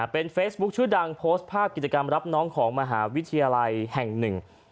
เป็นเฟซบุ๊คชื่อดังโพสต์ภาพกิจกรรมรับน้องของมหาวิทยาลัยแห่งหนึ่ง